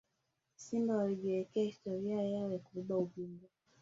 simba walijiwekea historia yao ya kubeba ubingwa